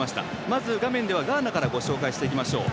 まず画面ではガーナから紹介していきましょう。